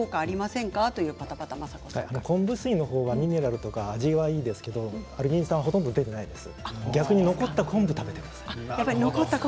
昆布水の方がミネラルや味はいいですがアルギン酸はほとんど出ていないです。